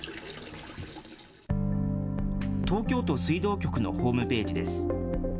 東京都水道局のホームページです。